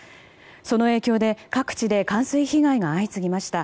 その影響で各地で冠水被害が相次ぎました。